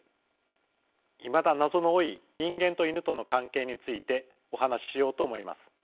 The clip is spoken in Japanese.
いまだ謎の多い人間とイヌとの関係についてお話ししようと思います。